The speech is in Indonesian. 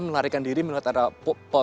menarikan diri melihat ada pokok